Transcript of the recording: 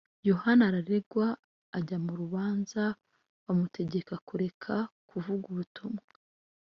Yohana araregwa, ajya mu rubanza bamutegeka kureka kuvuga ubutumwa